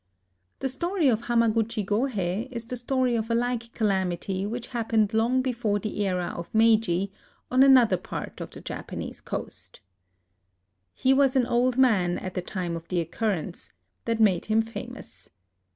The story of Hamaguchi Gohei is the story of a like calamity which happened long before the era of Meiji, on another part of the Japanese coast. A LIVING GOD 17 He was an old man at the time of the occur rence that made him famous.